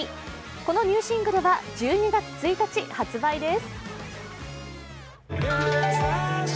このニューシングルは１２月１日発売です。